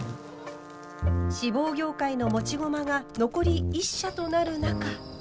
志望業界の持ち駒が残り１社となる中。